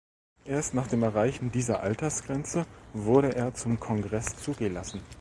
Erst nach dem Erreichen dieser Altersgrenze wurde er zum Kongress zugelassen.